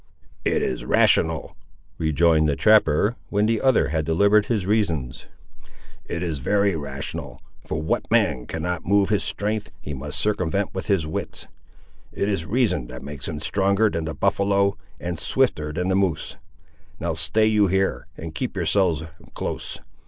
"It is rational," rejoined the trapper, when the other had delivered his reasons; "it is very rational, for what man cannot move with his strength he must circumvent with his wits. It is reason that makes him stronger than the buffaloe, and swifter than the moose. Now stay you here, and keep yourselves close.